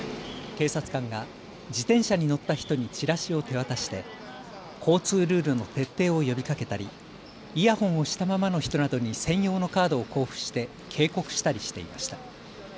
警察官が自転車に乗った人にチラシを手渡して交通ルールの徹底を呼びかけたりイヤホンをしたままの人などに専用のカードを交付して警告したりしていました。